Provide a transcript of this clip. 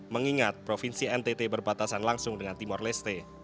mengingat provinsi ntt berbatasan langsung dengan timor leste